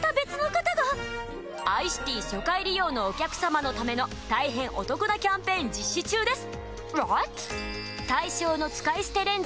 アイシティ初回利用のお客さまのための大変お得なキャンペーン実施中です。